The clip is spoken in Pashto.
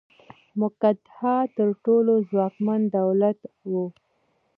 مګدها تر ټولو ځواکمن دولت و.